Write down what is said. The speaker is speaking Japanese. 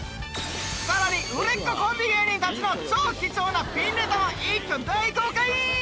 更に売れっ子コンビ芸人たちの超貴重なピンネタを一挙大公開！